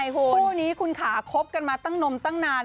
คู่นี้คุณขาคบกันมาตั้งนมตั้งนาน